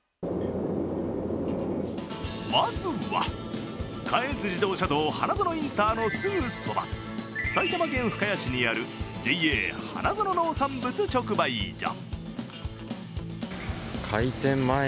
まずは関越自動車道・花園インターのすぐそば、埼玉県深谷市にあるＪＡ花園農産物直売所。